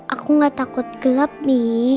aku gak takut gelap mi